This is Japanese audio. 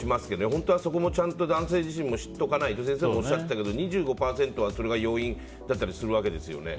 本当はそこも男性自身も知っておかないと先生がおっしゃってたけど２５％は、それが要因だったりするわけですよね。